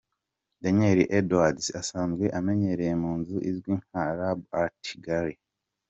Daniel Edwards asanzwe amenyerewe mu nzu izwi nka “Lab Art Gallery”.